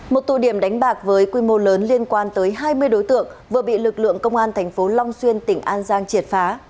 một tụ điểm đánh bạc với quy mô lớn liên quan tới hai mươi đối tượng vừa bị lực lượng công an tp long xuyên tỉnh an giang triệt phá